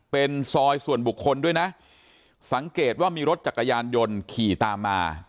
เป็นซอยส่วนบุคคลด้วยนะสังเกตว่ามีรถจักรยานยนต์ขี่ตามมา